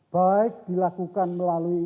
baik dilakukan melalui udara